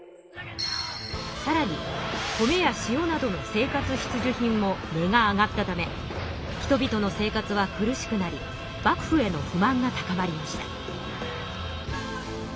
さらに米や塩などの生活必需品も値が上がったため人々の生活は苦しくなり幕府への不満が高まりました。